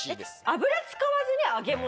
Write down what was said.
油使わずに揚げ物？